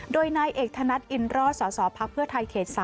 โดยนายเอกธนัดอินร่อสอสอภัคพฤษไทยเขต๓